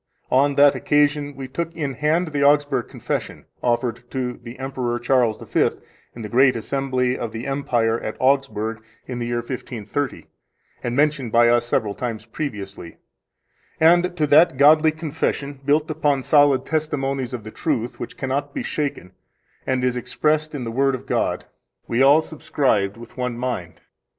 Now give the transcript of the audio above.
On that occasion we took in hand the Augsburg Confession, offered to the Emperor Charles V in the great assembly of the Empire at Augsburg in the year 1530, and mentioned by us several times previously, and to that godly confession, built upon solid testimonies of the truth, which cannot be shaken, and is expressed in the Word of God, we all subscribed with one mind.